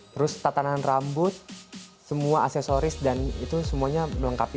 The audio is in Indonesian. terus tatanan rambut semua aksesoris dan itu semuanya melengkapi